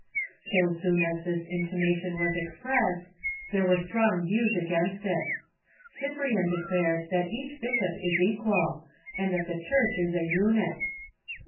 So soon as this intimation was expressed, there were strong views against it. Cyprian declared that each bishop is equal, and that the Church is a unit.